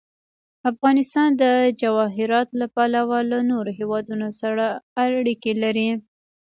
افغانستان د جواهرات له پلوه له نورو هېوادونو سره اړیکې لري.